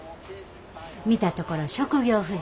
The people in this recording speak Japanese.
見たところ職業婦人や。